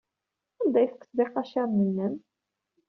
Anda ay tekkseḍ iqaciren-nnem?